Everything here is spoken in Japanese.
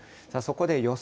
そこで予想